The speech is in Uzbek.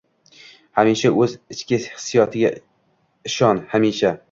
Hamisha o‘z ichki hissiyotinnga ishon. Hamisha!